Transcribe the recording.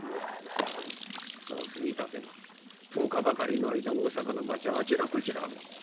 そう杉立が１０日ばかりの間大坂の町あちらこちら歩く。